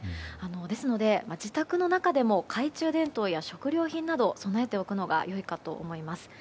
ですので、自宅の中でも懐中電灯や食料品など備えておくのが良いかと思います。